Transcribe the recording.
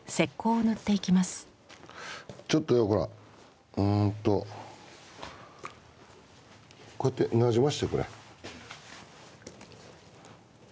ちょっとよほらうんとこうやってなじませてくれ。